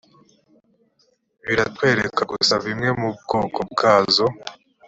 biratwereka gusa bumwe mu bwoko bwazo